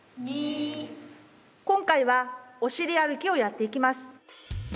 今回はお尻歩きをやっていきます。